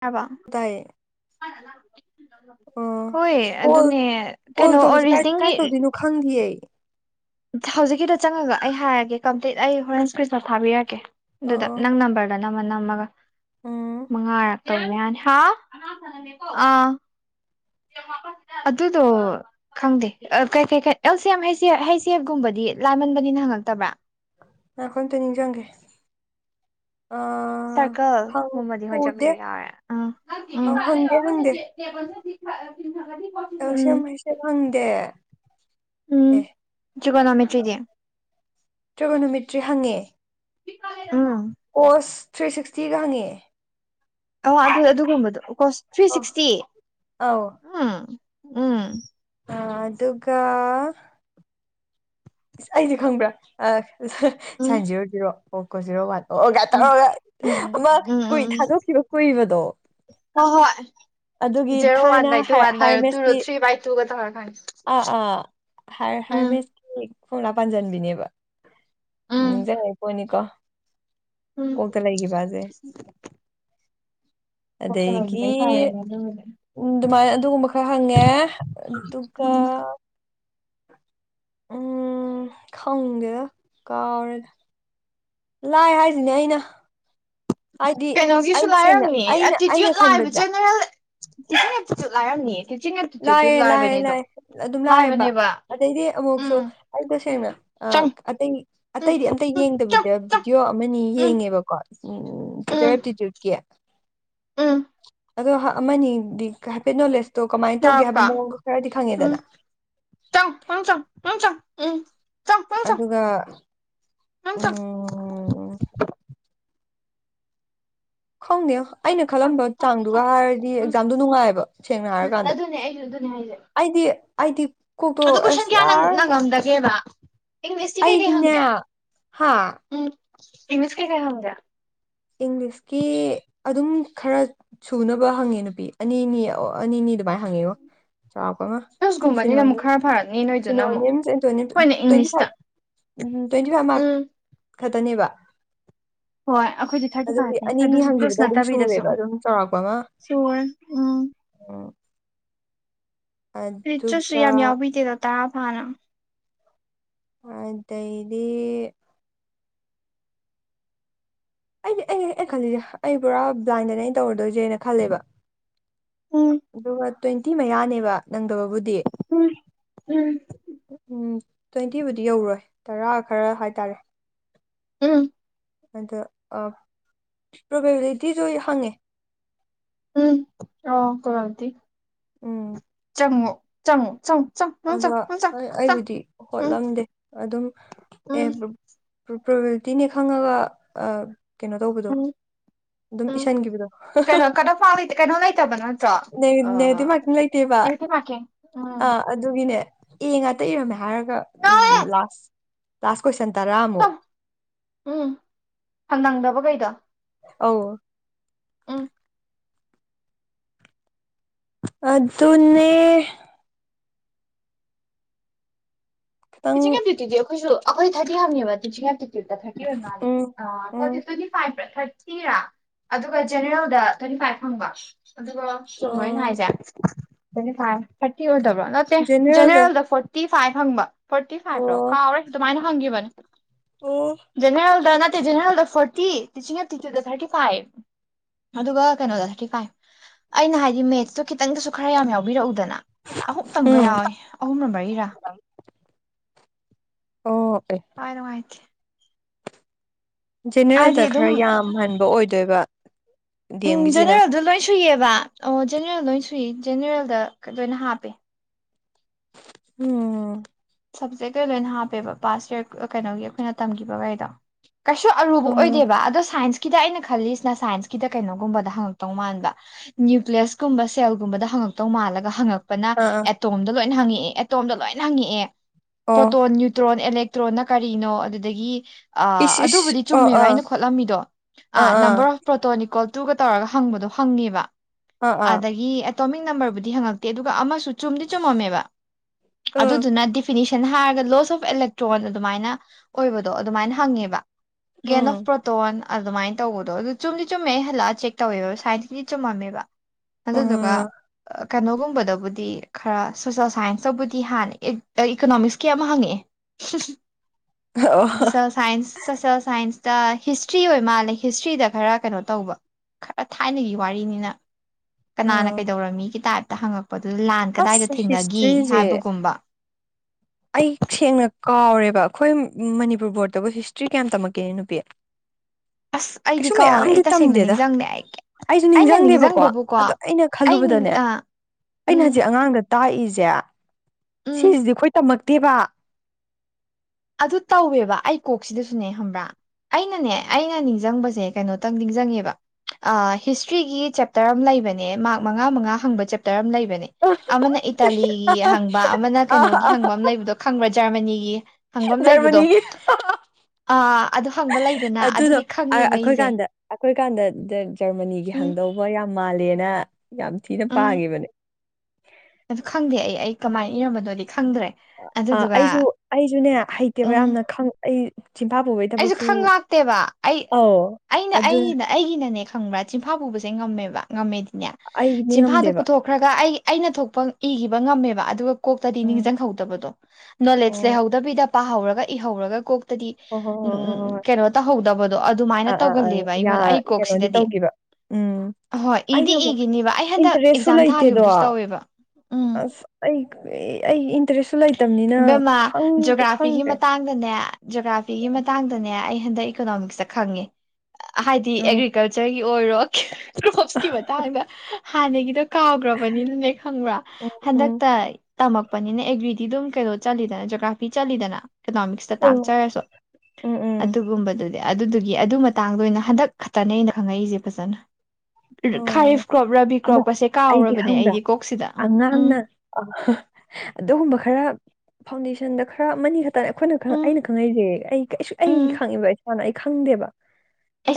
ꯇꯥꯔꯕꯣ ꯇꯥꯏꯌꯦ ꯑꯣ ꯍꯣꯏ ꯀꯣꯜ ꯑꯗꯨꯅꯦ ꯀꯣꯜ ꯀꯩꯅꯣ ꯑꯣ ꯇꯧꯕꯁꯦ ꯀꯥꯏ ꯀꯥꯏ ꯔꯤꯖꯅꯤꯡꯒꯤ ꯇꯧꯗꯣꯏꯅꯣ ꯈꯪꯗꯤꯌꯦ ꯑꯝꯇ ꯍꯧꯖꯤꯛꯀꯤꯗꯣ ꯆꯪꯉꯒ ꯑꯩ ꯍꯥꯏꯔꯛꯀꯦ ꯀꯝꯄ꯭ꯂꯤꯠ ꯑꯩ ꯍꯣꯔꯦꯟ ꯁꯀ꯭ꯔꯤꯟꯁꯣꯠ ꯊꯥꯕꯤꯔꯛꯀꯦ ꯑꯣ ꯑꯗꯨꯗ ꯑꯣ ꯅꯪ ꯅꯝꯕꯔꯗ ꯅꯝꯃ ꯅꯝꯃꯒ ꯎꯝ ꯃꯉꯥ ꯔꯛ ꯇꯧꯕ ꯌꯥꯅꯤ ꯍꯥꯎ ꯑꯉꯥꯡ ꯊꯥꯅꯝꯃꯦꯀꯣ ꯌꯦꯡꯎꯣ ꯇꯨ ꯑꯗꯨꯗꯣ ꯈꯪꯗꯦ ꯑ ꯀꯩ ꯀꯩꯩ ꯑꯦꯜ ꯁꯤ ꯑꯦꯝ ꯍꯩꯁ ꯁꯤ ꯑꯦꯐ ꯒꯨꯝꯕꯗꯤ ꯂꯥꯏꯃꯟꯕꯅꯤꯅ ꯍꯪꯉꯛꯇꯕ꯭ꯔꯥ ꯉꯥꯏꯈꯣ ꯑꯩ ꯑꯃꯇ ꯅꯤꯡꯖꯪꯒꯦ ꯑꯥ ꯁꯔꯀꯜ ꯍꯪ ꯃꯨꯝꯃꯗꯤ ꯍꯣꯏ ꯎꯗꯦ ꯖꯤꯑꯣꯃꯦꯇ꯭ꯔꯤꯛ ꯌꯥꯎꯑꯦ ꯎꯝ ꯑ ꯑ ꯑꯦꯜ ꯁꯤ ꯑꯦꯝ ꯍꯩꯁ ꯁꯤ ꯑꯦꯐ ꯍꯪꯗꯦ ꯑꯨꯝ ꯑꯦ ꯖꯤꯒꯣꯅꯣꯃꯤꯇ꯭ꯔꯤꯗꯤ ꯇꯔ꯭ꯤꯒꯣꯅꯣꯃꯤꯇꯔ꯭ꯤ ꯍꯪꯉꯦ ꯎꯝ ꯀꯣꯁ ꯊ꯭ꯔꯤ ꯁꯤꯛꯁꯇꯤꯒ ꯍꯪꯉꯛꯑꯦ ꯑꯣ ꯑꯗꯨ ꯑꯗꯨꯒꯨꯝꯕꯗꯣ ꯀꯣꯁ ꯊ꯭ꯔꯤ ꯑꯣ ꯁꯤꯛꯁꯇꯤ ꯑꯧ ꯎꯝ ꯎꯝ ꯑꯗꯨꯒ ꯑꯩꯁꯨ ꯈꯪꯕ꯭ꯔꯥ ꯑ ꯎꯝ ꯁꯥꯏꯟ ꯖꯤꯔꯣ ꯖꯤꯔꯣ ꯑꯣ ꯀꯣꯁ ꯖꯤꯔꯣ ꯋꯥꯟ ꯑꯣꯒ ꯎꯝ ꯇꯧꯔꯒ ꯎꯝ ꯎꯝ ꯑꯃ ꯎꯝ ꯀꯨꯏ ꯎꯝ ꯊꯥꯗꯣꯛꯈꯤꯕ ꯀꯨꯏꯕꯗꯣ ꯍꯣꯏ ꯍꯣꯏ ꯑꯗꯨꯒꯤ ꯖꯦꯔꯣ ꯋꯥꯟ ꯊꯥꯏꯅ ꯕꯥꯏ ꯇꯨ ꯍꯥꯏ ꯋꯥꯟ ꯕꯥꯏ ꯔꯨꯠꯇꯨ ꯍꯥꯏꯔꯃꯦꯁꯀꯤ ꯔꯨꯠ ꯊ꯭ꯔꯤ ꯕꯥꯏ ꯇꯨꯒ ꯇꯧꯔꯛꯀꯥꯟ ꯑꯥ ꯑꯥ ꯍꯥꯌꯔ ꯍꯥꯌꯔꯃꯦꯁꯀꯤ ꯐꯣꯔꯃꯨꯂꯥ ꯄꯥꯟꯖꯟꯕꯤꯅꯦꯕ ꯎꯝ ꯅꯤꯡꯖꯪ ꯉꯛꯏ ꯄꯣꯠꯅꯤꯀꯣ ꯎꯝ ꯀꯣꯛꯇ ꯂꯩꯒꯤꯕꯁꯦ ꯑꯗꯩꯒꯤ ꯂꯣꯏꯈꯤꯕꯩ ꯐꯔꯦꯅꯦ ꯑꯗꯨꯕꯨꯗꯤ ꯎꯝ ꯑꯗꯨꯃꯥꯏꯅ ꯑꯗꯨꯒꯨꯝꯕ ꯈꯔ ꯍꯪꯉꯦ ꯑꯗꯨꯒ ꯎꯝ ꯎꯝ ꯈꯪꯗꯦꯗ ꯀꯥꯎꯔꯦꯗ ꯂꯥꯢ ꯍꯥꯏꯁꯤꯅꯦ ꯑꯩꯅ ꯍꯥꯏꯗꯤ ꯀꯩꯅꯣꯒꯤꯁꯨ ꯑꯩ ꯁꯦꯡꯅ ꯂꯥꯏꯔꯝꯅꯤ ꯑꯩꯅ ꯑꯩꯅ ꯑꯦꯇꯤꯇ꯭ꯌꯨꯠ ꯂꯥꯏꯕ ꯈꯟꯕꯁꯦ ꯖꯦꯔꯦꯜ [unintelligible] ꯂꯥꯢꯑꯦ ꯂꯥꯢꯑꯦ ꯂꯥꯢꯑꯦ ꯑꯗꯨꯝ ꯂꯥꯢꯑꯦꯕ ꯂꯥꯏꯕꯅꯦꯕ ꯑꯗꯩꯗꯤ ꯑꯃꯨꯛꯁꯨ ꯎꯝ ꯑꯩ ꯇꯁꯦꯡꯅ ꯑ ꯆꯪ ꯑꯇꯩ ꯎꯝ ꯑꯇꯩꯗꯤ ꯑꯝꯇ ꯎꯝ ꯆꯪ ꯌꯦꯡꯗꯕꯤꯗ ꯆꯪ ꯚꯤꯗꯤꯑꯣ ꯑꯃꯅꯤ ꯎꯝ ꯌꯦꯡꯉꯦꯕꯀꯣ ꯎꯝ [unintelligible] ꯎꯝ ꯑꯗꯣ ꯑꯃꯅꯤꯗꯤ ꯍꯥꯏꯐꯦꯠ ꯅꯣꯂꯦꯖ [unintelligible] ꯆꯪ ꯑꯗꯨꯒ ꯎꯝ [unintelligible] ꯈꯪꯗꯦ ꯑꯩꯅ ꯈꯜꯂꯝꯕ ꯆꯥꯡꯗꯨꯒ ꯍꯥꯏꯔꯗꯤ ꯑꯦꯛꯖꯥꯝꯗꯣ ꯅꯨꯡꯉꯥꯏꯕ ꯁꯦꯡꯅ ꯍꯥꯏꯔꯀꯥꯟꯗ ꯑꯗꯨꯅꯦ ꯑꯩꯁꯨ ꯑꯗꯨꯅꯦ ꯍꯥꯏꯁꯦ ꯑꯩꯗꯤ ꯑꯩꯗꯤ ꯀꯣꯛꯇꯣ ꯑꯗꯨ ꯀꯣꯏꯁꯟ ꯑꯁ ꯀꯌꯥ ꯅꯪ ꯌꯥꯔꯔꯣꯏꯗ ꯅꯪꯉꯝꯗꯒꯦꯕ ꯏꯪꯂꯤꯁꯇꯤ ꯀꯩ ꯀꯩ ꯍꯡꯒꯦ ꯍꯥ ꯎꯝ ꯏꯪꯂꯤꯁ ꯀꯩ ꯀꯩ ꯍꯡꯒꯦ ꯏꯪꯂꯤꯁꯀꯤ ꯑꯗꯨꯝ ꯈꯔ ꯁꯨꯅꯕ ꯍꯪꯉꯦ ꯅꯨꯄꯤ ꯑꯅꯤꯅꯤ ꯑꯅꯤꯅꯤ ꯑꯗꯨꯃꯥꯏꯅ ꯍꯪꯉꯦꯉꯣ ꯆꯥꯎꯔꯥꯛꯄ ꯑꯃ ꯖꯀꯨꯝꯕꯅꯤꯅ ꯑꯃꯨꯛ ꯁꯤꯅꯣꯅꯤꯌꯝ ꯈꯔ ꯐꯔꯛꯅꯤ ꯅꯣꯏꯗꯨꯅ ꯑꯃꯨꯛ ꯁꯤꯅꯣꯅꯤꯌꯝꯁ ꯑꯦꯟꯇꯣꯅꯤꯝ ꯑꯩꯈꯣꯏꯅ ꯇ꯭ꯋꯦꯟꯇꯤ ꯏꯪꯂꯤꯁꯇ ꯐꯥꯏꯚ ꯎꯝ ꯇ꯭ꯋꯦꯟꯇꯤ ꯐꯥꯏꯚ ꯃꯥꯔꯛ ꯎꯝ ꯈꯛꯇꯅꯦꯕ ꯍꯣꯏ ꯑꯩꯈꯣꯏꯗꯤ ꯊꯥꯔꯇꯤ ꯑꯗꯨꯗꯤ ꯐꯥꯏꯚꯅꯦ ꯑꯅꯤꯅꯤ ꯑꯗꯨꯁꯨ ꯇꯁ ꯍꯪꯈꯤꯕꯗ ꯑꯗꯨꯝ ꯉꯦꯛꯇ ꯕꯤꯗꯁꯨ ꯁꯨꯔꯦꯕ ꯑꯗꯨꯝ ꯆꯥꯎꯔꯥꯛꯄ ꯑꯃ ꯎꯝ [unintelligible] ꯄ꯭ꯔꯤ ꯆꯨꯁ ꯁꯨ ꯑꯗꯨꯒ ꯌꯥꯝ ꯌꯥꯎꯕꯤꯗꯦꯗ ꯇꯔꯥ ꯐꯥꯅ ꯑꯗꯩꯗꯤ ꯑꯩꯗꯤ ꯑꯩꯅ ꯍꯩꯅ ꯈꯜꯂꯤꯁꯦ ꯑꯩ ꯄꯨꯔꯥ ꯕ꯭ꯂꯥꯏꯟꯗꯅ ꯑꯩꯅ ꯇꯧꯔꯗꯣꯏꯁꯦꯅ ꯈꯜꯂꯦꯕ ꯎꯝ ꯑꯗꯨꯒ ꯇ꯭ꯋꯦꯟꯇꯤ ꯃꯌꯥꯅꯦꯕ ꯅꯪꯗꯒ ꯕꯨꯗꯤ ꯎꯝ ꯎꯝ ꯎꯝ ꯇ꯭ꯋꯦꯟꯇꯤꯕꯨꯗꯤ ꯌꯧꯔꯣꯏ ꯇꯔꯥ ꯈꯔ ꯍꯥꯏꯇꯥꯔꯦ ꯎꯝ ꯑꯗ ꯄ꯭ꯔꯣꯚꯦꯕꯤꯂꯤꯇꯤꯁꯨ ꯍꯪꯉꯦ ꯎꯝ ꯑꯣ ꯄ꯭ꯔꯣꯕꯦꯕꯤꯂꯤꯇꯤ ꯎꯝ ꯆꯪꯉꯣ ꯆꯪꯉꯣ ꯆꯪꯉꯣ ꯆꯪꯉꯣ ꯅꯪ ꯑꯗꯣ ꯆꯪꯉꯣ ꯅꯪ ꯆꯪꯉꯣ ꯑꯩꯕꯨꯗꯤ ꯎꯝ ꯍꯣꯠꯂꯝꯗꯦ ꯑꯗꯨꯝ ꯑꯦ ꯎꯝ ꯄ꯭ꯔꯣꯕꯤꯂꯤꯇꯤꯅꯤ ꯈꯪꯉꯒ ꯀꯩꯅꯣ ꯇꯧꯕꯗꯣ ꯎꯝ ꯑꯗꯨꯝ ꯎꯝ ꯏꯁꯁꯟꯈꯤꯕꯗꯣ ꯀꯩꯅꯣ ꯀꯠ ꯑꯣꯐ ꯃꯥꯛ ꯂꯩ ꯀꯩꯅꯣ ꯂꯩꯇꯕ ꯅꯠꯇ꯭ꯔꯣ ꯅꯦ ꯑꯥ ꯅꯦꯒꯦꯇꯤꯞ ꯃꯥꯛꯇꯤ ꯂꯩꯇꯦꯕ ꯅꯦꯒꯦꯇꯤꯞ ꯃꯥꯔꯀꯤꯡ ꯎꯝ ꯑꯥ ꯑꯗꯨꯒꯤꯅꯦ ꯑꯦ ꯉꯥꯛꯇ ꯏꯔꯝꯃꯦ ꯍꯥꯏꯔꯒ ꯎ ꯂꯥꯁ ꯂꯥꯁ ꯀꯣꯏꯁꯟ ꯇꯔꯥꯃꯨꯛ ꯪ ꯎꯝꯪ ꯅꯪꯗꯕ ꯀꯩꯗꯣ [inaudible] ꯑꯧ ꯎꯝ ꯑꯗꯨꯅꯦ ꯈꯤꯇꯪ ꯇꯤꯆꯤꯡꯉꯇꯤꯇꯤꯗꯤ ꯑꯩꯈꯣꯏꯁꯨ ꯑꯩꯈꯣꯏ ꯊꯗꯤ ꯍꯥꯝꯅꯤꯕ ꯇꯤꯡ ꯍꯥꯞꯇꯤ ꯊꯔꯇꯤ ꯑꯣꯏ ꯃꯥꯂꯦ ꯎꯝ ꯑꯥ ꯎꯝ ꯇꯋꯤꯟꯇꯤ ꯐꯥꯚꯏ ꯇꯤꯔꯥ ꯑꯗꯨꯒ ꯖꯦꯅꯔꯦꯜꯗ ꯊꯔꯇꯤ ꯐꯥꯏꯚ ꯐꯪꯕ ꯑꯗꯨꯒ ꯁꯨꯝ ꯂꯣꯏꯅ ꯑꯣ ꯍꯥꯏꯁꯦ ꯇ꯭ꯋꯦꯟꯇꯤ ꯐꯥꯏꯚ ꯊꯥꯔꯇꯤ ꯑꯣꯏꯗꯕ꯭ꯔꯣ ꯅꯠꯇꯦ ꯖꯦꯅꯔꯦꯜꯗ ꯖꯦꯅꯦꯔꯦꯜꯗ ꯐꯣꯔꯇꯤ ꯐꯥꯏꯚ ꯍꯪꯕ ꯐꯣꯔꯇꯤ ꯐꯥꯏꯚꯔꯣ ꯑꯣ ꯀꯥꯎꯔꯦ ꯑꯗꯨꯃꯥꯏꯅ ꯍꯪꯈꯤꯕꯅꯤ ꯑꯣ ꯖꯦꯔꯦꯜꯗ ꯅꯠꯇꯦ ꯖꯦꯅꯦꯔꯦꯜꯗ ꯐꯣꯔꯇꯤ ꯇꯤꯆꯤꯡ ꯇꯤꯆꯔꯗ ꯊꯥꯔꯇꯤ ꯐꯥꯏꯚ ꯑꯗꯨꯒ ꯀꯩꯅꯣꯗ ꯊꯥꯔꯇꯤ ꯐꯥꯏ ꯑꯩꯅ ꯍꯥꯏꯗꯤ ꯃꯦꯠꯁꯇꯣ ꯈꯤꯇꯪꯗꯁꯨ ꯈꯔ ꯌꯥꯝ ꯌꯥꯎꯕꯤꯔꯛꯎꯗꯅ ꯑꯍꯨꯛꯇꯪꯒ ꯎꯝ ꯌꯥꯎꯋꯏ ꯑꯍꯨꯝꯅ ꯃꯔꯤꯔꯥ ꯑꯣ ꯑꯦ ꯄꯔꯝꯥꯏꯇꯦ ꯖꯦꯅꯦꯔꯦꯜꯗ ꯍꯥꯏꯗꯤ ꯑꯗꯨꯝ ꯈꯔ ꯌꯥꯝ ꯍꯟꯕ ꯑꯣꯏꯗꯣꯏꯕ ꯗꯤ ꯎꯝ ꯑꯦꯝꯒꯤꯁꯤꯅ ꯖꯦꯅꯦꯔꯦꯜꯗꯣ ꯂꯣꯏ ꯁꯨꯏꯌꯦꯕ ꯑꯣ ꯖꯦꯅꯔꯦꯜ ꯂꯣꯏ ꯁꯨꯏ ꯖꯦꯅꯔꯦꯜꯗ ꯂꯣꯏꯅ ꯍꯥꯞꯄꯦ ꯎꯝ ꯁꯞꯖꯦꯛꯇ ꯂꯣꯏꯅ ꯍꯥꯞꯄꯦꯕ ꯄꯥꯁ ꯌꯌꯥꯔ ꯀꯩꯅꯣꯒꯤ ꯑꯩꯈꯣꯏꯅ ꯇꯝꯈꯤꯕꯒꯩꯗꯣ ꯀꯩꯁꯨ ꯑꯔꯨꯕ ꯎꯝ ꯑꯣꯏꯗꯦꯕ ꯑꯗꯣ ꯁꯥꯏꯟꯁ ꯀꯈꯤꯗ ꯑꯩꯅ ꯈꯜꯂꯤꯁꯤꯅ ꯁꯥꯏꯟꯁꯀꯤꯗ ꯀꯩꯅꯣꯒꯨꯝꯕꯗ ꯍꯪꯉꯛꯇꯧ ꯃꯥꯟꯕ ꯅ꯭ꯌꯨꯀ꯭ꯌꯁꯀꯨꯝꯕ ꯁꯦꯜꯒꯨꯝꯕꯗ ꯍ ꯍꯪꯛꯇꯧ ꯃꯥꯜꯂꯒ ꯍꯪꯉꯛ ꯅ ꯑꯥ ꯑꯥ ꯑꯦꯇꯣꯝꯗ ꯂꯣꯏꯅ ꯍꯪꯉꯛꯑꯦ ꯑꯦꯇꯣꯝꯗ ꯂꯣꯏꯅ ꯍꯪꯉꯛꯑꯦ ꯑꯣ ꯄ꯭ꯔꯣꯇꯣꯟ ꯅ꯭ꯌꯨꯇ꯭ꯔꯣꯟ ꯑꯦꯂꯦꯛ ꯠꯇ꯭ꯔꯣꯅ ꯀꯔꯤꯅꯣ ꯑꯗꯨꯗꯒꯤ ꯑꯥ ꯏꯁ ꯏꯁ ꯑꯗꯨꯕꯨꯗꯤ ꯑꯣ ꯆꯨꯝꯃꯦꯕ ꯑꯩꯅ ꯑꯥ ꯈꯣꯠꯂꯝꯃꯤꯗꯣ ꯑꯥ ꯅꯝꯕꯔ ꯑꯣꯐ ꯄ꯭ꯔꯣꯇꯣꯅꯤꯀꯣꯜ ꯇꯨꯒ ꯇꯧꯔꯒ ꯍꯪꯕꯗꯣ ꯍꯪꯉꯦꯕ ꯑꯥ ꯑꯥ ꯑꯥ ꯑꯗꯒꯤ ꯑꯦꯇꯣꯃꯤꯛ ꯅꯝꯕꯔꯕꯨꯗꯤ ꯍꯪꯉꯛꯇꯦ ꯑꯗꯨꯒ ꯑꯃꯁꯨ ꯆꯨꯝꯗꯤ ꯆꯨꯝꯃꯝꯃꯦꯕ ꯎꯝ ꯑꯗꯨꯗꯨꯅ ꯐꯤꯅꯤꯁꯟ ꯍꯥꯏꯔꯒ ꯂꯣꯁ ꯑꯣꯐ ꯑꯦꯂꯦꯛꯇ꯭ꯔꯣꯟ ꯑꯗꯨꯃꯥꯏꯅ ꯑꯣꯏꯕꯗꯣ ꯑꯗꯨꯃꯥꯏꯅ ꯍꯪꯉꯦꯕ ꯒꯦꯟ ꯑꯣꯐ ꯎꯝ ꯄ꯭ꯔꯣꯇꯣꯟ ꯑꯗꯨꯃꯥꯏꯅ ꯇꯧꯕꯗꯣ ꯑꯗꯨ ꯆꯨꯝꯗꯤ ꯆꯨꯝꯃꯦ ꯍꯂꯛꯑ ꯆꯦꯛ ꯇꯧꯋꯦꯕ ꯁꯥꯏꯠꯇꯗꯤ ꯆꯨꯝꯃꯝꯃꯦꯕ ꯑꯗꯨꯗꯨꯒ ꯎꯝ ꯀꯩꯅꯣꯒꯨꯝꯕꯗꯕꯨꯗꯤ ꯈꯔ ꯁꯣꯁꯦꯜ ꯁꯥꯏꯟꯁꯇꯕꯨꯗꯤ ꯍꯥꯟꯅ ꯑꯦ ꯏꯀꯣꯅꯣꯃꯤꯛꯁ ꯀꯌꯥ ꯑꯃ ꯍꯪꯉꯛꯑꯦ ꯑꯣ ꯁꯣꯁꯦꯜ ꯁꯥꯏꯟꯁ ꯁꯣꯁꯦꯜ ꯁꯥꯏꯟꯁ ꯇ ꯍꯤꯁꯇ꯭ꯔꯤ ꯑꯣꯏ ꯃꯥꯜꯂꯦ ꯍꯤꯁꯇ꯭ꯔꯤꯗ ꯈꯔ ꯀꯩꯅꯣ ꯇꯧꯕ ꯈꯔ ꯊꯥꯏꯅꯒꯤ ꯋꯥꯔꯤꯅꯤꯅ ꯀꯅꯥꯅ ꯑꯥ ꯀꯩꯗꯧꯔꯃꯤꯒꯤ ꯇꯥꯏꯞꯇ ꯍꯪꯉꯛꯄꯗꯨ ꯂꯥꯟ ꯀꯗꯥꯏꯗ ꯑꯁ ꯊꯦꯡꯅꯈꯤ ꯍꯤꯁꯇ꯭ꯔꯤꯁꯦ ꯍꯥꯏꯕꯒꯨꯝꯕ ꯑꯩ ꯁꯦꯡꯅ ꯀꯥꯎꯔꯦꯕ ꯑꯩꯈꯣꯏ ꯃꯅꯤꯄꯨꯔ ꯕꯣꯔꯠꯇꯕꯨ ꯍꯤꯁꯇ꯭ꯔꯤ ꯀꯌꯥꯝ ꯇꯝꯃꯛꯀꯦ ꯅꯨꯄꯤ ꯑꯁ ꯑꯩꯗꯤ ꯀꯩꯁꯨ ꯀꯥꯎꯔꯦ ꯃꯌꯥꯝꯗꯤ ꯑꯩ ꯇꯁꯦꯡꯅ ꯇꯝꯗꯦꯗ ꯅꯤꯡꯁꯤꯡꯪꯗꯦ ꯑꯩꯦ ꯑꯩꯁꯨ ꯅꯤꯡꯁꯤꯡꯗꯦꯕꯀꯣ ꯑꯗꯣ ꯑꯩꯅ ꯑꯩ ꯅꯤꯡ ꯈꯜꯂꯨꯕꯗꯅꯦ ꯑ ꯑꯩꯅ ꯎꯝ ꯍꯧꯖꯤꯛ ꯑꯉꯥꯡꯗ ꯇꯥꯛꯏꯁꯦ ꯎꯝ ꯁꯤꯁꯤꯗꯤ ꯑꯩꯈꯣꯏ ꯇꯝꯃꯛꯇꯦꯕ ꯑꯗꯨ ꯇꯧꯋꯦꯕ ꯑꯩ ꯀꯣꯛꯁꯤꯗꯁꯨꯅꯦ ꯍꯕ꯭ꯔꯥ ꯑꯩꯅꯅꯦ ꯑꯩꯅ ꯅꯤꯡꯁꯤꯡꯕꯁꯦ ꯀꯩꯅꯣꯇꯪ ꯅꯤꯡꯁꯤꯡꯉꯦꯕ ꯍꯤꯁꯇ꯭ꯔꯤꯒꯤ ꯆꯦꯞꯇꯔ ꯑꯃ ꯂꯩꯕꯅꯦ ꯃꯥꯔꯛ ꯃꯉꯥ ꯃꯉꯥ ꯍꯪꯕ ꯆꯦꯞꯇꯔ ꯑꯃ ꯂꯩꯕ ꯑꯃꯅ ꯏꯇꯥꯂꯤꯒꯤ ꯍꯪꯕ ꯑꯃꯅ ꯀꯩꯅꯣꯒꯤ ꯍꯪꯕ ꯑꯃ ꯂꯩꯕꯗꯣ ꯈꯪꯕ꯭ꯔꯥ ꯖꯔꯃꯅꯤꯒꯤ ꯍꯪꯕ ꯑꯃ ꯂꯩꯕꯗꯣ ꯖꯔꯃꯅꯤꯒꯤ ꯑꯥ ꯑꯗꯨ ꯍꯪꯕ ꯂꯩꯗꯅ ꯑꯗꯨꯗꯣ ꯑꯗꯨꯗꯤ ꯈꯪꯉꯦꯕ ꯑꯩꯁꯦ ꯑꯩꯈꯣꯏꯀꯥꯟꯗ ꯑꯩꯈꯣꯏ ꯀꯥꯟꯗ ꯖꯔꯃꯅꯤꯒꯤ ꯎꯝ ꯈꯪꯗꯧꯕ ꯌꯥꯝ ꯃꯥꯜꯂꯦꯅ ꯌꯥꯝ ꯊꯤꯅ ꯎꯝ ꯄꯥꯡꯉꯤꯕꯅꯦ ꯑꯗꯨ ꯈꯪꯗꯦ ꯑꯩ ꯑꯩ ꯀꯃꯥꯏꯅ ꯏꯔꯝꯕꯅꯣꯗꯤ ꯈꯪꯗ꯭ꯔꯦ ꯑ ꯑꯗꯨꯗꯨꯒ ꯑꯩꯁꯨ ꯑꯩꯁꯨꯅꯦ ꯍꯩꯇꯦꯕ ꯎꯝ ꯌꯥꯝꯅ ꯑꯩ ꯆꯤꯟꯐꯥ ꯄꯨꯕꯒꯤ ꯑꯩꯁꯨ ꯊꯕꯛꯁꯨ ꯈꯪ ꯂꯥꯛꯇꯦꯕ ꯑꯩ ꯑꯧ ꯑꯩꯅ ꯑꯗꯨꯅ ꯑꯩꯅ ꯑꯩꯒꯤꯅꯅꯦ ꯈꯪꯕ꯭ꯔꯥ ꯆꯤꯟꯐꯥ ꯄꯨꯁꯦ ꯁꯦ ꯉꯝꯃꯦꯕ ꯉꯝꯃꯦꯗꯤꯅꯦ ꯑꯩ ꯆꯤꯟꯐꯥꯗ ꯅꯤꯡꯉꯝꯗꯦꯕ ꯄꯨꯊꯣꯛꯈ꯭ꯔꯒ ꯑꯩ ꯑꯩꯅ ꯊꯣꯛꯄ ꯏꯈꯤꯕ ꯉꯝꯃꯦꯕ ꯑꯗꯨꯒ ꯀꯣꯛꯇꯗꯤ ꯎꯝ ꯅꯤꯡꯁꯤꯡꯍꯧꯗꯕꯗꯣ ꯅꯣꯂꯦꯖ ꯑꯣ ꯂꯩꯍꯧꯗꯕꯤꯗ ꯄꯥꯍꯧꯔꯒ ꯏꯍꯧꯔꯒ ꯀꯣꯛꯇꯗꯤ ꯍꯣꯏ ꯍꯣꯏ ꯍꯣꯏ ꯍꯣꯏ ꯎꯝ ꯍꯣꯏ ꯀꯩꯅꯣ ꯇꯧꯍꯧꯗꯕꯗꯣ ꯑꯗꯣ ꯑꯗꯨꯃꯥꯏꯅ ꯑꯥ ꯑꯥ ꯑꯥ ꯇꯧꯒꯜꯂꯦꯕ ꯌꯥ ꯑꯩꯉꯣꯟꯗ ꯑꯩ ꯀꯩꯅꯣꯗꯤ ꯀꯣꯛꯁꯤꯗꯗꯤ ꯇꯧꯈꯤꯕ ꯎꯝ ꯑꯍꯣꯏ ꯏꯗꯤ ꯑꯩꯅ ꯑꯃꯨꯛ ꯏꯒꯤꯅꯦꯕ ꯑꯩ ꯍꯟꯗꯛ ꯏꯟꯇꯔꯦꯁꯁꯨ ꯑꯦꯛꯖꯥꯝ ꯂꯩꯇꯦꯗꯣ ꯊꯥꯒꯤꯈꯤꯕꯗꯨꯁꯨ ꯇꯧꯋꯦꯕ ꯎꯝ ꯑꯁ ꯑꯩ ꯑꯩ ꯏꯟꯇꯔꯦꯁꯁꯨ ꯂꯩꯇꯕꯅꯤꯅ ꯏꯕꯦꯝꯃ ꯈꯪꯁꯨ ꯖꯣꯒ꯭ꯔꯥꯐꯤꯒꯤ ꯈꯪꯗ꯭ꯔꯦ ꯃꯇꯥꯡꯗꯅꯦ ꯖꯣꯒ꯭ꯔꯥꯐꯤꯒꯤ ꯃꯇꯥꯡꯗꯅꯦ ꯅꯦ ꯑꯩ ꯍꯟꯗꯛ ꯏꯀꯣꯅꯣꯃꯤꯛꯁꯇ ꯈꯪꯉꯦ ꯍꯥꯏꯗꯤ ꯎꯝ ꯑꯦꯒ꯭ꯔꯤꯀꯜꯆꯔꯒꯤ ꯑꯣꯏꯔꯣ ꯀ꯭ꯔꯣꯞꯁꯀꯤ ꯃꯇꯥꯡꯗ ꯍꯥꯟꯅꯒꯤꯗ ꯀꯥꯎꯈ꯭ꯔꯕꯅꯤꯅꯅꯦ ꯈꯪꯕ꯭ꯔꯥ ꯎꯝ ꯍꯟꯗꯛꯇ ꯇꯝꯃꯛꯄꯅꯤꯅ ꯑꯦꯒ꯭ꯔꯤꯗꯤ ꯑꯗꯨꯝ ꯀꯩꯅꯣ ꯆꯠꯂꯤꯗꯅ ꯖꯣꯒ꯭ꯔꯥꯐꯤ ꯆꯠꯂꯤꯗꯅ ꯏꯀꯣꯅꯣꯃꯤꯛꯁꯇ ꯇꯥꯛꯆꯔꯁꯨ ꯎꯝ ꯎꯝ ꯑꯗꯨꯒꯨꯝꯕꯗꯨ ꯑꯗꯨꯗꯨꯒꯤ ꯑꯗꯨ ꯃꯇꯥꯡꯗ ꯑꯣꯏꯅ ꯍꯟꯗꯛ ꯈꯛꯇꯅꯩ ꯈꯪꯉꯛꯏꯁꯦ ꯐꯖꯅ ꯑꯣ ꯈꯔꯤꯐ ꯀ꯭ꯔꯣꯞ ꯔꯥꯕꯤ ꯑꯗꯣ ꯀ꯭ꯔꯣꯞꯀꯁꯦ ꯀꯥꯎꯔꯕꯅꯦ ꯈꯪꯕ꯭ꯔꯥ ꯑꯩꯗꯤ ꯀꯣꯛꯁꯤꯗ ꯎꯝ ꯑꯉꯥꯡꯅ ꯑ ꯑꯗꯨꯒꯨꯝꯕ ꯈꯔ ꯐꯥꯎꯟꯗꯦꯁꯟꯗ ꯈꯔ ꯃꯅꯤ ꯈꯛꯇꯅꯦ ꯑꯩꯈꯣꯏꯅ ꯎꯝ ꯑꯩꯅ ꯈꯪꯅꯛꯏꯁꯦ ꯑꯩ ꯀꯩꯁꯨ ꯑꯩꯒꯤ ꯎꯝ ꯈꯪꯉꯤꯕ ꯏꯁꯥꯅ ꯑꯩ ꯈꯪꯗꯦꯕ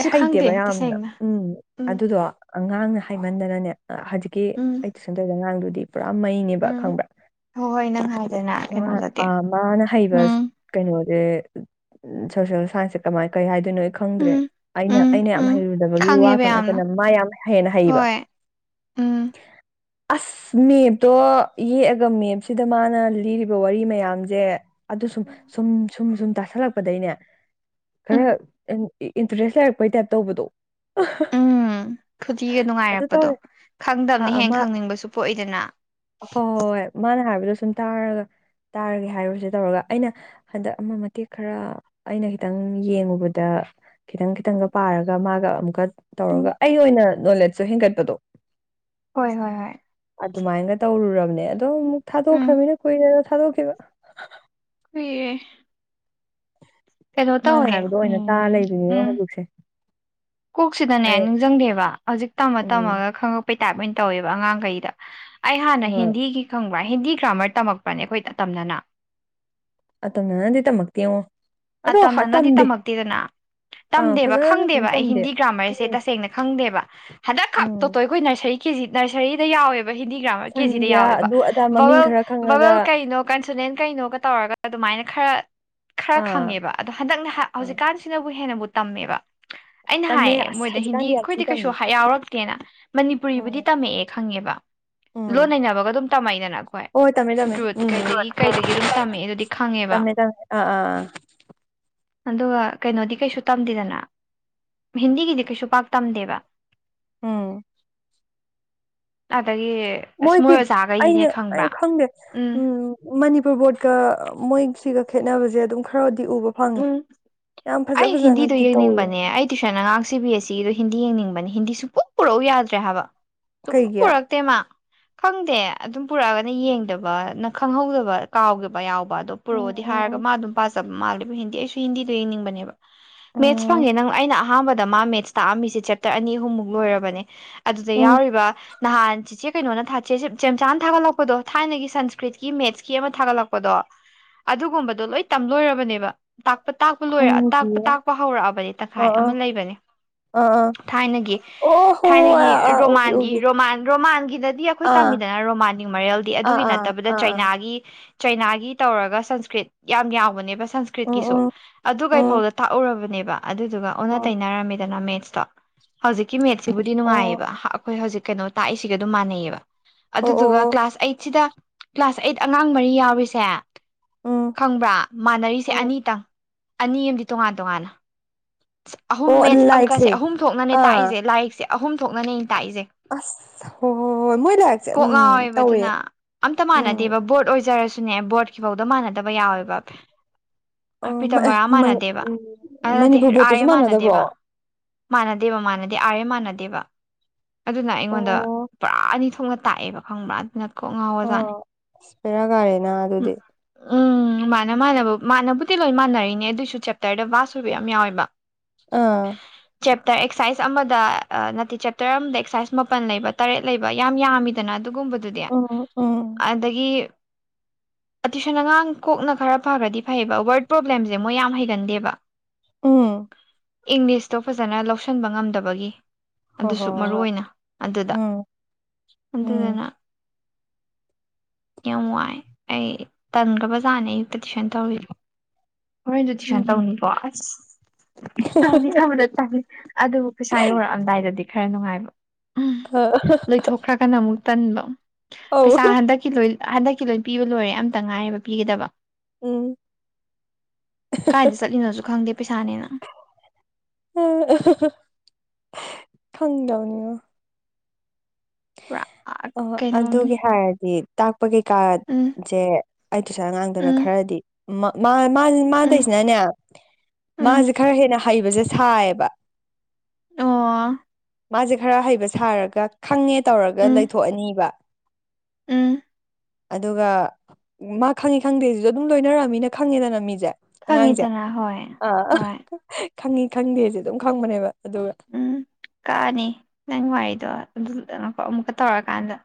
ꯑꯩ ꯈꯪꯗꯦ ꯍꯩꯇꯦꯕ ꯌꯥꯝꯅ ꯇꯁꯦꯡꯅ ꯎꯝ ꯎꯝ ꯑꯗꯨꯗꯣ ꯑꯉꯥꯡꯅ ꯍꯥꯏꯃꯟꯗꯅꯅꯦ ꯍꯧꯖꯤꯛꯀꯤ ꯎꯝ ꯑꯩ ꯇꯨꯁꯟꯗꯧꯔꯤꯗ ꯑꯉꯥꯡꯗꯨꯗꯤ ꯄꯨꯔꯥ ꯃꯩꯅꯦꯕ ꯎꯝ ꯈꯪꯕ꯭ꯔꯥ ꯍꯣꯏ ꯍꯣꯏ ꯅꯪ ꯍꯥꯏꯗꯅ ꯀꯩꯅꯣꯗꯗꯤ ꯃꯥꯅ ꯍꯩꯕ ꯎꯝ ꯀꯩꯅꯣ ꯁꯣꯁꯦꯜ ꯁꯥꯏꯟꯁꯁꯦ ꯀꯃꯥꯏ ꯀꯩ ꯍꯥꯏ ꯣꯏꯅꯣ ꯑꯩ ꯈꯪꯗ꯭ꯔꯦ ꯎꯝ ꯑꯩꯅ ꯎꯝ ꯑꯩꯅ ꯌꯥꯝ ꯎꯝ ꯍꯩꯔꯨꯗꯕꯒꯤ ꯋꯥ ꯈꯪꯉꯦꯕ ꯈꯛ ꯌꯥꯝꯅ ꯅꯠꯇꯅ ꯃꯥ ꯌꯥꯝ ꯍꯦꯟꯅ ꯍꯩꯕ ꯍꯣꯏ ꯎꯝ ꯑꯁ ꯃꯦꯞꯇꯣ ꯌꯦꯛꯑꯒ ꯃꯦꯞꯁꯤꯗ ꯃꯥꯅ ꯂꯤ ꯋꯥꯔꯤ ꯃꯌꯥꯝꯁꯦ ꯑꯗꯨ ꯁꯨꯝ ꯎꯝ ꯁꯨꯝ ꯁꯨꯝ ꯁꯨꯝ ꯇꯥꯁꯜꯂꯛꯄꯗꯒꯤꯅꯦ ꯈꯔ ꯎꯝ ꯏꯟꯇꯔꯦꯁ ꯂꯩꯔꯛꯄꯩ ꯇꯥꯏꯞ ꯇꯧꯕꯗꯣ ꯎꯝ ꯈꯨꯗꯤꯒ ꯑꯗꯨ ꯅꯨꯡꯉꯥꯏꯔꯛꯄꯗꯣ ꯇꯧꯔꯦ ꯑꯥ ꯈꯪꯗꯕꯅꯤ ꯍꯦ ꯑꯥ ꯃꯥ ꯈꯪꯅꯤꯡꯕꯁꯨ ꯄꯣꯛꯏꯗꯅ ꯅ ꯍꯥꯏꯕꯗꯣ ꯁꯨꯝ ꯇꯥꯔꯒ ꯇꯥꯔꯒꯦ ꯍꯥꯏꯔꯨꯁꯦ ꯇꯧꯔꯒ ꯑꯩꯅ ꯍꯟꯗꯛ ꯑꯃ ꯃꯇꯦꯛ ꯈꯔ ꯑꯩꯅ ꯈꯤꯇꯪ ꯌꯦꯡꯉꯨꯕꯗ ꯈꯤꯇꯪ ꯈꯤꯇꯪꯒ ꯄꯥꯔꯒ ꯃꯥꯒ ꯑꯃꯨꯛꯀ ꯎꯝ ꯇꯧꯔꯒ ꯑꯩꯒꯤ ꯑꯣꯏꯅ ꯅꯣꯂꯦꯖꯁꯨ ꯍꯦꯟꯒꯠꯄꯗꯣ ꯍꯣꯏ ꯍꯣꯏ ꯍꯣꯏ ꯑꯗꯨꯃꯥꯏꯅꯒ ꯇꯧꯔꯨꯔꯕ ꯅꯦ ꯑꯗꯣ ꯑꯃꯨꯛ ꯎꯝ ꯊꯥꯗꯣꯛꯈ꯭ꯔꯃꯤꯅ ꯀꯨꯏꯔꯦꯗ ꯊꯥꯗꯣꯛꯈꯤꯕ ꯑꯦ ꯏꯃꯅ ꯍꯥꯏꯕꯗꯣ ꯑꯣꯏꯅ ꯇꯥꯔ ꯎꯝ ꯂꯩꯕꯤꯅꯤꯉꯣ ꯎꯝ ꯍꯧꯖꯤꯛꯁꯦ ꯀꯣꯛꯁꯤꯗꯅꯦ ꯑꯩ ꯅꯤꯡꯒꯪꯗꯦꯕ ꯍꯧꯖꯤꯛ ꯇꯝꯃ ꯎꯝ ꯇꯝꯃꯒ ꯈꯪꯉꯛꯄ ꯇꯥꯏꯞ ꯑꯣꯏꯅ ꯇꯧꯋꯦꯕ ꯑꯉꯥꯡꯈꯩꯗ ꯑꯩ ꯍꯥꯟꯅ ꯍꯣꯏ ꯍꯤꯟꯗꯤꯒꯤ ꯈꯪꯕ ꯍꯤꯟꯗꯤ ꯒ꯭ꯔꯥꯃꯔ ꯇꯝꯃꯛꯄꯅꯦ ꯑꯩꯈꯣꯏ ꯇꯇꯝꯅꯅ ꯑꯇꯝꯅꯅ ꯗꯤ ꯇꯝꯃꯛꯇꯦꯉꯣ ꯑꯇꯝꯅꯅꯗꯤ ꯇꯝꯃꯛꯇꯦꯗꯅ ꯑꯥ ꯇꯝꯗꯦꯕ ꯐꯖꯅ ꯐꯖꯅ ꯈꯪꯗꯦꯕ ꯑꯩ ꯇꯝꯗꯦ ꯍꯤꯟꯗꯤ ꯒ꯭ꯔꯥꯃꯔꯁꯦ ꯎꯝ ꯇꯁꯦꯡꯅ ꯈꯪꯗꯦꯕ ꯍꯟꯗꯛ ꯈꯛ ꯎꯝ ꯇꯣꯇꯣ ꯑꯩꯈꯣꯏ ꯅꯔꯁꯔꯤ ꯀꯦꯖꯤ ꯅꯔꯁꯔꯤꯗ ꯌꯥꯎꯋꯦꯕ ꯍꯤꯟꯗꯤ ꯒ꯭ꯔꯥꯃꯔ ꯀꯦꯖꯤꯗ ꯁꯟꯗ꯭ꯌꯥ ꯑꯗꯨ ꯑꯗꯥ ꯃꯃꯤꯡ ꯕꯥꯎꯋꯦꯜ ꯈꯔ ꯈꯪꯉꯒ ꯕꯥꯎꯋꯦꯜ ꯀꯩꯅꯣ ꯀꯟꯁꯅꯦꯟ ꯀꯩꯅꯣꯒ ꯇꯧꯔꯒ ꯑꯗꯨ ꯁꯨꯃꯥꯏꯅ ꯈꯔ ꯈꯔ ꯑꯥ ꯈꯪꯉꯦꯕ ꯑꯗꯣ ꯍꯟꯗꯛꯅ ꯑꯥ ꯍꯧꯖꯤꯛꯀꯥꯟꯁꯤꯅꯕꯨ ꯍꯦꯟꯅꯕꯨ ꯇꯝꯃꯦꯕ ꯑꯩꯅ ꯇꯝꯃꯦ ꯍꯥꯏꯌꯦ ꯑꯁ ꯃꯣꯏꯗ ꯍꯤꯟꯗꯤ ꯍꯧꯖꯤꯛꯀꯥꯟꯗꯤ ꯌꯥꯝ ꯊꯤ ꯑꯩꯈꯣꯏꯗꯤ ꯇꯝꯃꯦ ꯀꯩꯁꯨ ꯌꯥꯎꯔꯛꯇꯦꯅ ꯃꯅꯤꯄꯨꯔꯤꯕꯨꯗꯤ ꯎꯝ ꯇꯝꯃꯛꯑꯦ ꯈꯪꯉꯦꯕ [inaudible] ꯂꯣꯟ ꯅꯩꯅꯕꯒ ꯑꯗꯨꯝ ꯇꯝꯃꯛꯏꯗꯅꯀꯣꯏ ꯍꯣꯏ ꯍꯣꯏ ꯇꯝꯃꯦ ꯇꯝꯃꯦ ꯔꯨꯠ ꯎꯝ ꯀꯩꯗꯒꯤ ꯀꯩꯗꯒꯤ ꯑꯗꯨꯝ ꯇꯝꯃꯛꯦ ꯑꯗꯨꯗꯤ ꯈꯪꯉꯦꯕ ꯇꯝꯃꯦ ꯇꯃꯦ ꯑꯥ ꯑꯥ ꯑ ꯑꯗꯨꯒ ꯀꯩꯅꯣꯗꯤ ꯀꯩꯁꯨ ꯇꯝꯗꯦꯗꯅ ꯍꯤꯟꯗꯤꯒꯤꯗꯤ ꯀꯩꯁꯨ ꯄꯥꯛ ꯇꯝꯗꯦꯕ ꯎꯝ ꯑꯗꯒꯤ ꯑꯁ ꯃꯣꯏ ꯃꯣꯏꯒꯤ ꯑꯣꯖꯥꯈꯩꯗꯤꯅꯦ ꯑꯩꯅ ꯈꯪꯕ꯭ꯔꯥ ꯑꯩ ꯈꯪꯗꯦ ꯎꯝ ꯃꯅꯤꯄꯨꯔ ꯕꯣꯔꯗꯀ ꯃꯣꯏꯁꯤꯒ ꯈꯦꯠꯅꯕꯁꯦ ꯑꯗꯨꯝ ꯈꯔꯗꯤ ꯎꯕ ꯐꯪꯉꯦ ꯎꯝ ꯌꯥꯝ ꯐꯖ ꯑꯩ ꯍꯤꯟꯗꯤꯗꯣ ꯐꯖꯅꯗꯤ ꯇꯧꯋꯦ ꯌꯦꯡꯅꯤꯡꯕꯅꯦ ꯑꯩ ꯇꯨꯏꯁꯟ ꯑꯉꯥꯡ ꯁꯤ ꯕꯤ ꯑꯦꯁ ꯁꯤꯗꯣ ꯍꯤꯟꯗꯤ ꯌꯦꯡꯅꯤꯡꯕꯅꯦ ꯍꯤꯟꯗꯤ ꯁꯨꯡꯄꯨꯛ ꯄꯨꯔꯛꯎ ꯌꯥꯗ꯭ꯔꯦ ꯍꯥꯏꯕ ꯁꯨꯄꯣꯛ ꯀꯩꯒꯤ ꯄꯨꯔꯛꯇꯦ ꯃꯥ ꯈꯪꯗꯦ ꯑꯗꯨꯝ ꯄꯨꯔꯛꯑꯒꯅ ꯌꯦꯡꯗꯕ ꯅ ꯈꯪꯍꯧꯗꯕ ꯀꯥꯎꯒꯤꯕ ꯌꯥꯎꯕ ꯗꯣ ꯄꯨꯔꯛꯑꯣꯗꯤ ꯍꯥꯏꯔꯒ ꯎꯝ ꯃꯥ ꯑꯗꯨꯝ ꯄꯥꯖꯕ ꯃꯥꯜꯂꯦꯕ ꯍꯤꯟꯗꯤ ꯑꯩꯁꯨ ꯍꯤꯟꯗꯤꯗꯣ ꯌꯦꯡꯅꯤꯡꯕꯅꯦꯕ ꯃꯦꯠꯁ ꯎꯝ ꯐꯪꯉꯦ ꯅꯪ ꯑꯩꯅ ꯑꯍꯥꯟꯕꯗ ꯃꯥ ꯃꯦꯠꯁ ꯇꯥꯛꯑꯝꯃꯤꯁꯦ ꯆꯦꯞꯇꯔ ꯑꯅꯤ ꯑꯍꯨꯝꯃꯨꯛ ꯂꯣꯏꯔꯕꯅꯦ ꯑꯗꯨꯗ ꯎꯝ ꯌꯥꯎꯔꯤꯕ ꯅꯍꯥꯟ ꯆꯤꯆꯦ ꯀꯩꯅꯣꯅꯦ ꯊꯥꯆꯦꯝ ꯆꯥꯝ ꯆꯥꯅ ꯊꯥꯒꯠꯂꯛꯄꯗꯣ ꯊꯥꯏꯅꯒꯤ ꯁꯟꯁꯀ꯭ꯔꯤꯠꯀꯤ ꯃꯦꯠꯁꯀꯤ ꯑꯃ ꯊꯥꯒꯠꯂꯛꯄꯗꯣ ꯑꯗꯨꯒꯨꯝꯕꯗꯣ ꯂꯣꯏ ꯇꯝꯂꯣꯏꯔꯕꯅꯦꯕ ꯇꯥꯛꯄ ꯇꯥꯛꯄ ꯂꯣꯏꯔ ꯇꯥꯛꯄ ꯈꯪꯗꯤꯌꯦ ꯇꯥꯛꯄ ꯍꯧꯔꯛꯑꯕꯅꯦ ꯇꯪꯈꯥꯏ ꯑꯥ ꯑꯥ ꯑꯃ ꯂꯩꯕꯅꯦ ꯑꯥ ꯑꯥ ꯊꯥꯏꯅꯒꯤ ꯑꯣ ꯍꯣ ꯊꯥꯏꯅꯒꯤ ꯑꯥ ꯑꯥ ꯎꯒꯤ ꯔꯣꯃꯥꯟꯒꯤ ꯎꯒꯤ ꯔꯣꯃꯥꯟ ꯔꯣꯃꯥꯟꯒꯤꯗꯗꯤ ꯑꯩꯈꯣꯏ ꯇꯝ ꯑꯥ ꯃꯤꯗꯅ ꯔꯣꯃꯥꯟ ꯃꯔꯦꯜꯗꯤ ꯑꯥ ꯑꯗꯨꯒꯤ ꯑꯥ ꯅꯠꯇꯕꯗ ꯑꯥ ꯑꯥ ꯆꯩꯅꯥꯒꯤ ꯆꯩꯅꯥꯒꯤ ꯇꯧꯔꯒ ꯁꯪꯁꯀ꯭ꯔꯤꯠ ꯌꯥꯝ ꯌꯥꯎꯕꯅꯦꯕ ꯁꯪꯁ ꯎꯝ ꯀꯤꯁꯨ ꯎꯝ ꯑꯗꯨ ꯀꯩ ꯎꯝ ꯐꯥꯎꯗ ꯇꯥꯛꯎꯔꯕꯅꯦꯕ ꯑꯗꯨꯗꯨꯒ ꯑꯣꯟꯅ ꯎꯝ ꯇꯩꯅꯔꯝꯃꯤꯗꯅ ꯃꯦꯟ ꯇꯣ ꯍꯧꯖꯤꯛꯀꯤ ꯃꯦꯠꯁꯤꯕꯨꯗꯤ ꯑꯣ ꯅꯨꯡꯉꯥꯏꯌꯦꯕ ꯑꯩꯈꯣꯏ ꯍꯧꯖꯤꯛ ꯀꯩꯅꯣ ꯇꯥꯛꯏꯁꯤꯒ ꯑꯗꯨꯝ ꯃꯥꯟꯅꯩꯌꯦꯕ ꯑꯣ ꯑꯣ ꯑꯗꯨꯗꯨꯒ ꯑꯣ ꯀ꯭ꯂꯥꯁ ꯑꯩꯠꯁꯤꯗ ꯀ꯭ꯂꯥꯁ ꯑꯩꯠ ꯑꯉꯥꯡ ꯃꯔꯤ ꯌꯥꯎꯔꯤꯁꯦ ꯎꯝ ꯈꯪꯕ꯭ꯔꯥ ꯃꯥꯟꯅꯔꯤꯁꯦ ꯑꯣ ꯑꯅꯤꯇꯪ ꯑꯅꯤ ꯑꯃꯗꯤ ꯇꯣꯉꯥꯟ ꯇꯣꯉꯥꯟꯅ ꯑꯍꯨꯝ ꯑꯣ ꯃꯦꯠꯁ ꯑꯪꯀꯥꯁꯦ ꯂꯥꯏꯔꯤꯛꯁꯦ ꯑꯍꯨꯝ ꯊꯣꯛꯅꯅꯦ ꯑꯥ ꯇꯥꯛꯏ ꯑꯁ ꯍꯣꯏ ꯍꯣꯏ ꯍꯣꯏ ꯃꯣꯏ ꯂꯥꯏꯔꯤꯛꯁꯦ ꯀꯣꯛ ꯎꯝ ꯉꯥꯎꯋꯦꯕ ꯇꯧꯋꯦ ꯑꯗꯨꯅ ꯑꯝꯇ ꯎꯝ ꯃꯥꯟꯅꯗꯦꯕ ꯕꯣꯔꯠ ꯑꯣꯏꯖꯔꯁꯨ ꯅꯦ ꯕꯣꯔꯠꯀꯤ ꯐꯧꯗ ꯃꯥꯟꯅꯗꯕ ꯌꯥꯎ ꯑꯦꯕ ꯑꯣ ꯄ꯭ꯔꯤꯇꯝ ꯕꯔꯥ ꯃꯥꯟꯅꯗꯦꯕ ꯎꯝ ꯑꯗꯨ ꯅꯠꯇꯦ ꯃꯅꯤꯄꯨꯔ ꯑꯥꯔ ꯕꯣꯠꯇꯨꯁꯨ ꯑꯦꯝ ꯃꯥꯟꯅꯗꯕ꯭ꯔꯣ ꯃꯥꯟꯅꯗꯦꯕ ꯑꯣ ꯃꯥꯟꯅꯗꯦꯕ ꯃꯥꯟꯅꯗꯦ ꯑꯥꯔꯑꯦꯝ ꯃꯥꯟꯅꯗꯦꯕ ꯑꯗꯨꯅ ꯑꯩꯉꯣꯟꯗ ꯄꯨꯔꯥ ꯑꯅꯤ ꯊꯣꯛꯅ ꯇꯥꯛꯑꯦꯕ ꯈꯪꯕ꯭ꯔꯥ ꯑꯗꯨꯅ ꯀꯣꯛ ꯉꯥꯥꯎꯕ ꯖꯠꯅꯦ ꯑꯥ ꯑꯁ ꯕꯦꯔꯥ ꯅꯪ ꯑꯗꯨꯗꯤ ꯎꯝ ꯃꯥꯥꯟꯅ ꯃꯥꯥꯟꯅꯕ ꯃꯥꯟꯅꯕꯨꯗꯤ ꯂꯣꯏ ꯃꯥꯟꯅꯔꯤꯅꯦ ꯑꯗꯨꯏꯁꯨ ꯆꯦꯞꯇꯔꯗ ꯕꯥꯁ ꯑꯣꯏꯕ ꯌꯥꯝ ꯌꯥꯎꯋꯦꯕ ꯑꯥ ꯗ ꯑꯦꯛꯁꯥꯏꯁ ꯑꯃꯗ ꯅꯠꯇꯦ ꯆꯦꯞꯇꯔ ꯑꯃꯗ ꯑꯦꯛꯁꯥꯏꯁ ꯃꯥꯄꯟ ꯂꯩꯕ ꯇꯔꯦꯠ ꯂꯩꯕ ꯌꯥꯝ ꯌꯥꯝꯃꯤꯗꯅ ꯑꯗꯨꯒꯨꯝꯕꯗꯨꯗꯤ ꯎꯝ ꯎꯝ ꯑꯗꯒꯤ ꯇꯨꯏꯁꯟ ꯑꯉꯥꯡ ꯀꯣꯛꯅ ꯈꯔ ꯐꯈ꯭ꯔꯥꯗꯤ ꯐꯩꯑꯕ ꯋꯥꯔꯗ ꯄ꯭ꯔꯣꯕ꯭ꯂꯦꯝꯁꯦ ꯃꯣꯏ ꯌꯥꯝ ꯍꯩꯒꯟꯗꯦꯕ ꯎꯝ ꯏꯪꯂꯤꯁꯇꯣ ꯐꯖꯅ ꯂꯧꯁꯤꯟꯕ ꯉꯝꯗꯕꯒꯤ ꯍꯣꯏ ꯑꯗꯨꯁꯨ ꯍꯣꯏ ꯃꯔꯨ ꯍꯣꯏ ꯑꯣꯏꯅ ꯑꯗꯨꯗ ꯎꯝ ꯎꯝ ꯑꯗꯨꯗꯨꯅ ꯌꯥꯝ ꯋꯥꯏ ꯑꯩ ꯇꯟꯈ꯭ꯔꯥꯕꯖꯥꯠꯅꯦ ꯑꯌꯨꯛꯇ ꯇꯨꯏꯁꯟ ꯇꯧꯔꯤꯕ ꯍꯣꯔꯦꯟꯖꯨ ꯇꯨꯢꯁꯟ ꯎꯝ ꯇꯧꯅꯤꯀꯣ ꯑꯁ ꯇꯧꯅꯤ ꯈꯟꯕꯗ ꯇꯟꯂꯦ ꯑꯗꯨ ꯄꯩꯁꯥ ꯌꯧꯔꯛ ꯑꯝꯗꯥꯏꯗꯗꯤ ꯈꯔ ꯅꯨꯡꯉꯥꯏꯕ ꯎꯝ ꯑ ꯍꯥꯍꯥ ꯂꯣꯏꯊꯣꯛꯈ꯭ꯔꯒꯅ ꯑꯃꯨꯛ ꯇꯟꯕ ꯄꯩꯁꯥ ꯍꯟꯗꯛꯀꯤ ꯂꯣꯏ ꯍꯟꯗꯛꯀꯤ ꯂꯣꯏ ꯄꯤꯕ ꯂꯣꯏꯔꯦ ꯑꯝꯇ ꯉꯥꯏꯔꯦꯕ ꯄꯤꯒꯗꯕ ꯎꯝ ꯀꯥꯏꯗ ꯆꯠꯂꯤꯅꯣꯖꯨ ꯈꯪꯗꯦ ꯄꯩꯁꯥꯅꯦꯅ ꯑ ꯍꯥꯍꯥ ꯈꯪꯗꯕꯅꯦꯉꯣꯅꯤ ꯄꯨꯔꯥ ꯑ ꯀꯩꯅꯣꯝꯅꯤ ꯑꯗꯨꯒꯤ ꯍꯥꯏꯔꯗꯤ ꯄꯛꯄꯒꯤ ꯎꯝ ꯀꯥꯔꯠꯆꯦ ꯑꯩ ꯇꯨꯢꯁꯟ ꯑꯉꯥꯡꯗꯨꯅ ꯎꯝ ꯈꯔꯗꯤ ꯃꯥꯛ ꯃꯥ ꯃꯥꯗꯤ ꯎꯝ ꯃꯥꯇꯏ ꯁꯤꯅꯥꯅꯦ ꯎꯝ ꯃꯥꯁꯦ ꯈꯔ ꯍꯦꯟꯅ ꯍꯩꯕꯁꯦ ꯁꯥꯏꯌꯦꯕ ꯑꯣ ꯃꯥꯁꯦ ꯈꯔ ꯍꯩꯕ ꯁꯥꯔꯒ ꯈꯪꯉꯦ ꯇꯧꯔꯒ ꯎꯝ ꯂꯩꯊꯣꯛꯑꯅꯤꯕ ꯎꯝ ꯑꯗꯨꯒ ꯃꯥ ꯈꯪꯉꯤ ꯈꯪꯗꯦ ꯁꯤꯁꯨ ꯑꯗꯨꯝ ꯂꯣꯏꯅꯔꯛ ꯑꯝꯅꯤꯅꯥ ꯈꯪꯏꯗꯅ ꯃꯤꯁꯦ ꯑꯉꯥꯡꯁꯦ ꯈꯪꯉꯤꯗꯅ ꯍꯣꯏ ꯑꯥ ꯍꯣꯏ ꯈꯪꯉꯤ ꯈꯪꯗꯦꯁꯦ ꯑꯗꯨꯝ ꯈꯪꯕꯅꯦꯕ ꯑꯗꯨꯒ ꯎꯝ ꯀꯥꯅꯤ ꯅꯪ ꯋꯥꯔꯤꯗꯣ ꯑꯗꯨ ꯉꯥꯢꯈꯣ ꯑꯃꯨꯛꯀ ꯇꯧꯔꯀꯥꯟꯗ